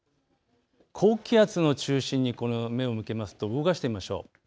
高気圧の中心に目を向けますと動かしてみましょう。